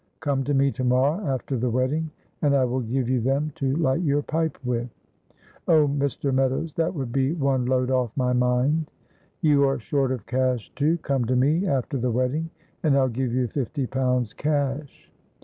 Come to me to morrow, after the wedding, and I will give you them to light your pipe with." "Oh, Mr. Meadows, that would be one load off my mind." "You are short of cash, too; come to me after the wedding, and I'll give you fifty pounds cash."